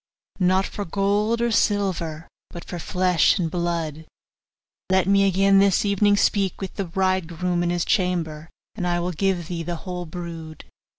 'Not for gold or silver, but for flesh and blood: let me again this evening speak with the bridegroom in his chamber, and I will give thee the whole brood.